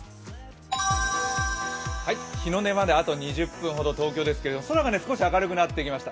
日の出まであと２０分ほどの東京ですけど空が少し明るくなってきました。